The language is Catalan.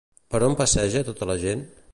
Per on passeja tota la gent?